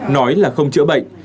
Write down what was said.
nói là không chữa bệnh